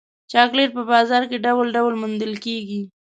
چاکلېټ په بازار کې ډول ډول موندل کېږي.